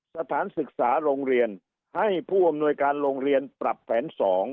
สถานศึกษาโรงเรียนให้ผู้อำนวยการโรงเรียนปรับแผน๒๐๐